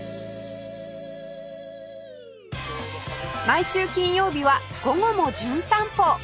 毎週金曜日は『午後もじゅん散歩』